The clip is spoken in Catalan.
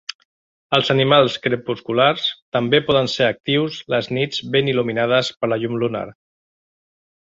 Els animals crepusculars també poden ser actius les nits ben il·luminades per la llum lunar.